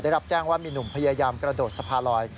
ได้รับแจ้งว่ามีหนุ่มพยายามกระโดดสะพานลอย